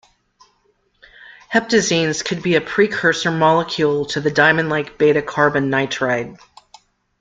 Heptazines could be a precursor molecule to the diamond-like beta carbon nitride.